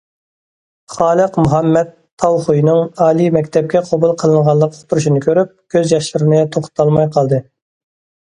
خالىق مۇھەممەت تاۋ خۇينىڭ ئالىي مەكتەپكە قوبۇل قىلىنغانلىق ئۇقتۇرۇشىنى كۆرۈپ، كۆز ياشلىرىنى توختىتالماي قالدى.